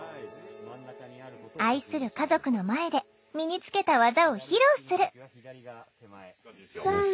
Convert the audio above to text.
愛する家族の前で身につけた技を披露する！